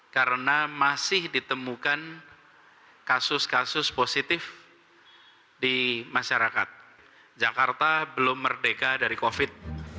kemungkinan untuk penyelamat